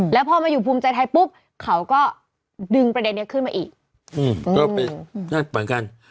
แล้วพอมาอยู่ภูมิใจไทยปุ๊บเขาก็ดึงประเด็นนี้ขึ้นมาอีกก็เป็นนั่นเหมือนกัน